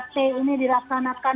tiga t ini diraksanakan